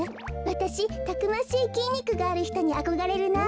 わたしたくましいきんにくがあるひとにあこがれるな。